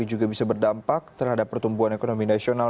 ini juga bisa berdampak terhadap pertumbuhan ekonomi nasional